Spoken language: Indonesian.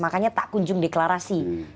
makanya tak kunjung deklarasi